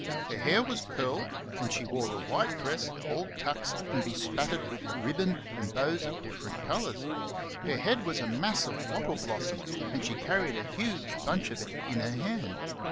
Her hair was curled, and she wore a white dress all tucks and bespattered with ribbon and bows of different colours. Her head was a mass of wattle blossom, and she carried a huge bunch of it in her hand.